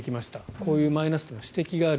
こういうマイナス点の指摘がある。